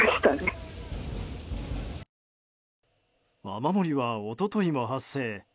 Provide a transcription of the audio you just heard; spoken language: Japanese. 雨漏りは一昨日も発生。